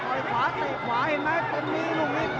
ต่อยขวาเตะขวาเห็นมั้ยเต็มมีลูกนี้